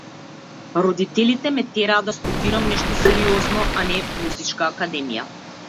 Родителите ме тераа да студирам нешто сериозно, а не музичка академија.